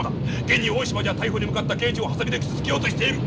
現に大島では逮捕に向かった刑事をハサミで傷つけようとしている！